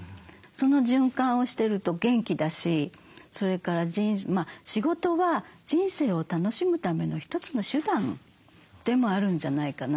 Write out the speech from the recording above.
その循環をしてると元気だしそれから仕事は人生を楽しむための一つの手段でもあるんじゃないかなと。